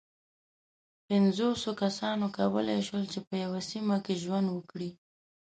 پينځو سوو کسانو کولی شول، چې په یوه سیمه کې ژوند وکړي.